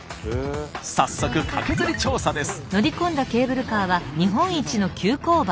早速カケズリ調査です。